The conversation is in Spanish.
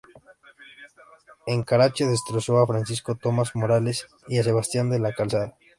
En Carache destrozó a Francisco Tomás Morales y a Sebastián de la Calzada.